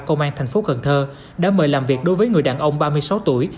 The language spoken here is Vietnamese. công an thành phố cần thơ đã mời làm việc đối với người đàn ông ba mươi sáu tuổi